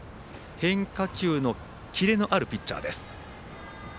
変化球のキレのあるピッチャーです。